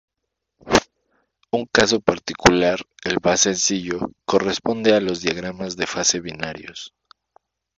Un caso particular, el más sencillo, corresponde a los diagramas de fase binarios.